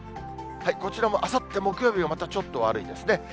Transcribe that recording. こちらもあさって木曜日がまたちょっと悪いですね。